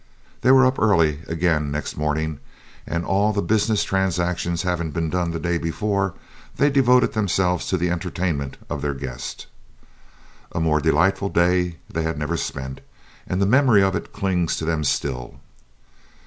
They were up early again next morning, and, all the "business" transactions having been done the day before, they devoted themselves to the entertainment of their guest. A more delightful day they never spent, and the memory of it clings to them still.